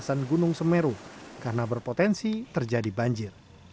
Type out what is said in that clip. kawasan gunung semeru karena berpotensi terjadi banjir